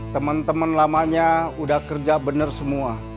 temen temen lamanya udah kerja bener semua